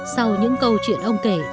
sau những câu chuyện ông kể